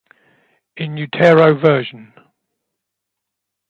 In Utero version.